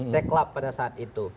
reklap pada saat itu